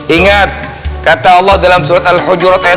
ingat kata allah dalam surat al hujurat ayat sepuluh